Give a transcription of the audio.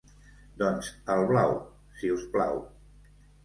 Doncs el blau, si us plau.